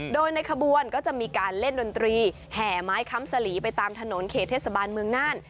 โดยในขบวนก็จะมีการเล่นดนตรีแห่ไม้ค้ำสลีไปตามถนนเขตเทศบาลเมืองน่าน